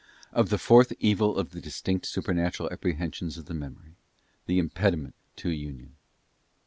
Of the fourth evil of the Distinct Supernatural Apprehensions of the Memory: the impediment to Union.